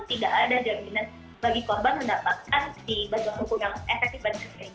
tidak ada jaminan bagi korban mendapatkan si bantuan hukum yang efektif dan sebagainya